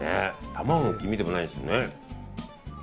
卵の黄身でもないしね。